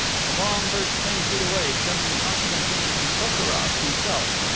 The bomb burst ten feet away, killing Constantin Kochkarof himself.